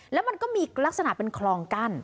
แล้วมันก็มีลักษณะเป็นคลองกั้น